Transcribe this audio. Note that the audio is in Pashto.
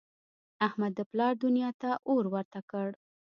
احمد د پلار دونیا ته اور ورته کړ.